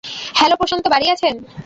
Hello, Prashant বাড়ি আছেন?